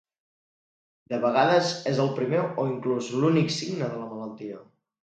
De vegades, és el primer o inclús l'únic signe de la malaltia.